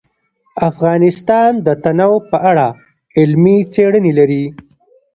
افغانستان د تنوع په اړه علمي څېړنې لري.